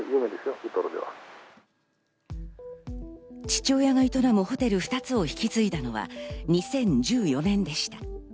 父親が営むホテル２つを引き継いだのは２０１４年でした。